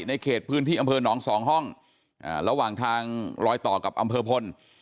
เขตพื้นที่อำเภอหนองสองห้องระหว่างทางรอยต่อกับอำเภอพล